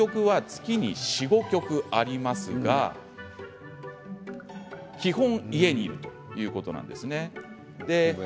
対局は月に４、５局ありますが基本、家にいるということなんですね。